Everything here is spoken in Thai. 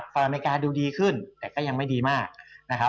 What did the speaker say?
ฝั่งอเมริกาดูดีขึ้นแต่ก็ยังไม่ดีมาก